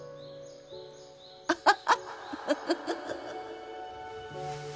アハハ。